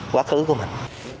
quá khứ của mình